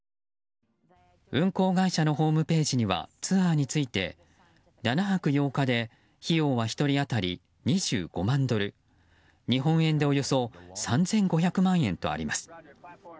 運航会社のホームページにはツアーについて７泊８日で費用は１人当たり２５万ドル日本円でおよそ３５００万円とあります。